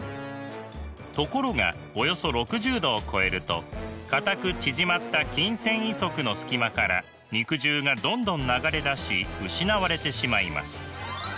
ところがおよそ６０℃を超えると固く縮まった筋繊維束の隙間から肉汁がどんどん流れ出し失われてしまいます。